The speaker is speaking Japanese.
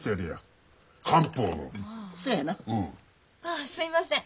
あっすいません。